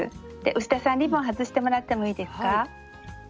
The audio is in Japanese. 牛田さんリボン外してもらってもいいですか？